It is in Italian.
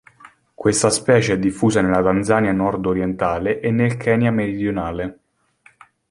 Questa specie è diffusa nella Tanzania nord-orientale e nel Kenya meridionale.